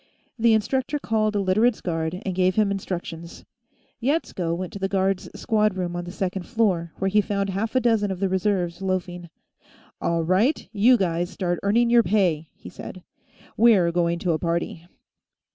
The instructor called a Literates' guard and gave him instructions. Yetsko went to the guards' squad room on the second floor, where he found half a dozen of the reserves loafing. "All right; you guys start earning your pay," he said. "We're going to a party."